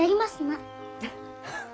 フッ。